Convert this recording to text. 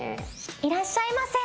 いらっしゃいませ。